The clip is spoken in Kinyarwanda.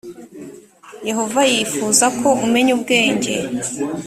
yehova yifuza ko umenya ubwenge